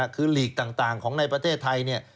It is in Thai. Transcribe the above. คือลีกต่างของในประเทศไทย